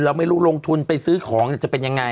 เราไม่รู้ลงทุนไปซื้อของจะเป็นยังไง